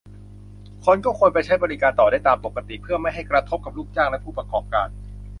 คนก็ควรไปใช้บริการต่อได้ตามปกติ เพื่อไม่ให้กระทบกับลูกจ้างและผู้ประกอบการ